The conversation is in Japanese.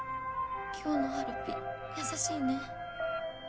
今日のはるぴ優しいね。